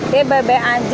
dia baik baik aja